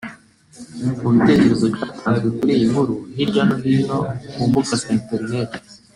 Mu bitekerezo byatanzwe kuri iyi nkuru hirya no hino ku mbuga za interineti